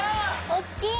おっきい！